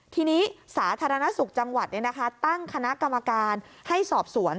ทีนี้สาธารณสุขจังหวัดตั้งคณะกรรมการให้สอบสวน